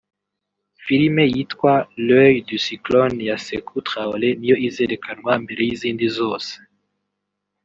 Filime yitwa L’Œil du cyclone ya Sékou Traoré niyo izerekanwa mbere y’izindi zose